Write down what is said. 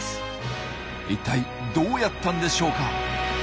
一体どうやったんでしょうか？